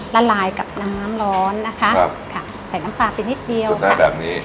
ละลายกับน้ำน้ำร้อนนะคะครับค่ะใส่น้ำปลาไปนิดเดียวได้แบบนี้